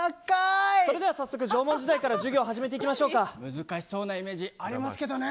それでは早速、縄文時代から難しそうなイメージありますけどね！